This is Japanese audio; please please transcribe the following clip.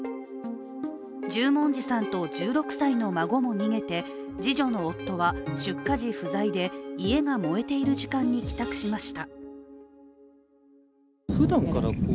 十文字さんと１６歳の孫も逃げて次女の夫は出火時不在で家が燃えている時間に帰宅しました。